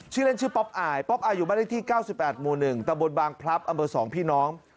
ชื่อเล่นชื่อป๊อปอายป๊อปอายอยู่บ้านที่๙๘ม๑ตบพอสองพี่น้อง